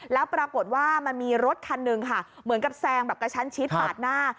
แล้วปรากฏว่ามันมีรถคันหนึ่งค่ะเหมือนกับแซงแบบกระชั้นชิดปาดหน้า